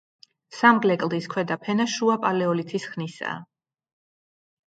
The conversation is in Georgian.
სამგლე კლდის ქვედა ფენა შუა პალეოლითის ხანისაა.